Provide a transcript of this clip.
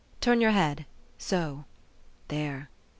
Turn your head so. There.